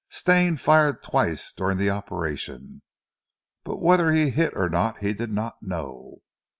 Stane fired twice during the operation, but whether he hit or not he did not know.